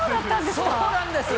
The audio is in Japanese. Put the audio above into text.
そうなんです。